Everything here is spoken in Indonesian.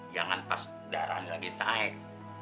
jangan pas darahnya lagi naik